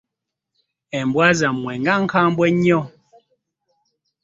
Embwa zamwe nga nkambwe nnyo.